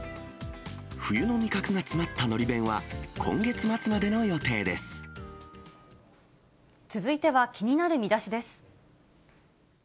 冬の味覚が詰まったのり弁は、続いては気になるミダシです。